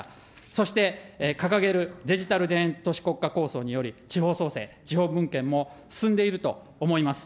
そして、掲げるデジタル田園都市国家構想により、地方創生、地方分権も進んでいると思います。